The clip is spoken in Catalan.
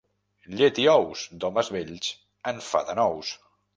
Llet i ous d'homes vells en fa de nous.